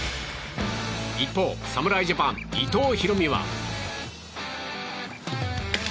一方、侍ジャパン伊藤大海は。